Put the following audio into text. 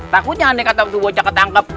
takutnya andai kata waktu bocah ketangkep